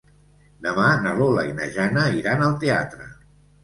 Demà na Lola i na Jana iran al teatre.